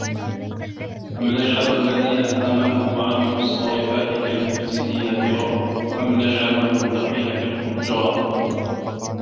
أَم نَجعَلُ الَّذينَ آمَنوا وَعَمِلُوا الصّالِحاتِ كَالمُفسِدينَ فِي الأَرضِ أَم نَجعَلُ المُتَّقينَ كَالفُجّارِ